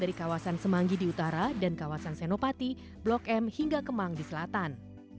dari kawasan semanggi di utara dan kawasan senopati blok m hingga kemang di selatan